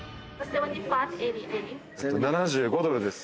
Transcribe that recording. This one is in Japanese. ７５ドルです。